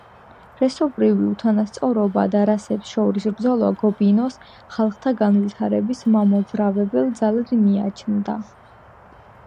რასობრივი უთანასწორობა და რასებს შორის ბრძოლა გობინოს ხალხთა განვითარების მამოძრავებელ ძალად მიაჩნდა.